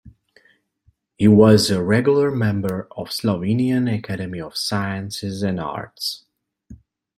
He was a regular member of Slovenian Academy of Sciences and Arts.